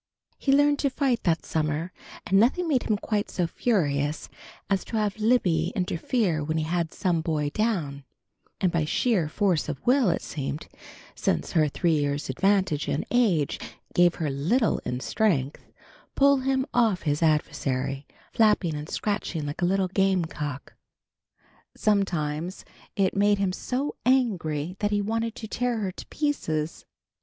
He learned to fight that summer, and nothing made him quite so furious as to have Libby interfere when he had some boy down, and by sheer force of will it seemed, since her three years' advantage in age gave her little in strength, pull him off his adversary, flapping and scratching like a little game cock. Sometimes it made him so angry that he wanted to tear her in pieces.